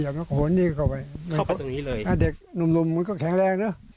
อย่างนี้ก็ไว้เข้าไปตรงนี้เลยถ้าเด็กหนุ่มลุมมันก็แข็งแรงเนอะ